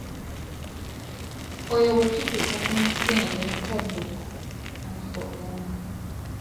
Oyo bw’ekituuka ku misinde, tadduka afuumuuka.